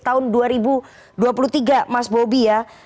tahun dua ribu dua puluh tiga mas bobi ya